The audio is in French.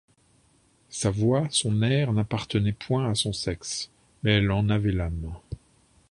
Sa voix, son air n'appartenaient point à son sexe, mais elle en avait l'âme.